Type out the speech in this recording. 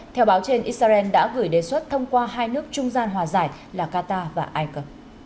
theo báo trên israel đã gửi đề xuất thông qua hai nước trung gian hòa giải là qatar và ai cập